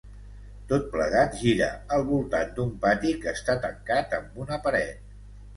Tot plegat gira al voltant d'un pati que està tancat amb una paret.